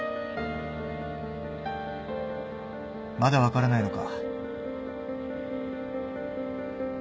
まだ分からないのか。